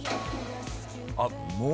あっもう。